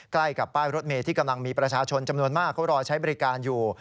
ใกล้กับป้ายรถเมย์ที่กำลังมีประชาชนจำนวนมากเขารอใช้บริการอยู่